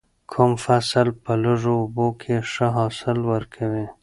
کوم فصل په لږو اوبو کې ښه حاصل ورکوي؟